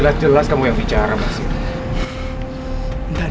hah gak punya mata